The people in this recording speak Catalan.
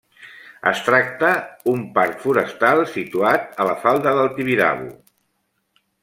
Es tracta un parc forestal, situat a la falda del Tibidabo.